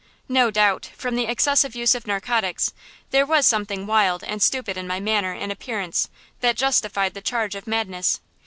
No doubt, from the excessive use of narcotics, there was some thing wild and stupid in my manner and appearance that justified the charge of madness.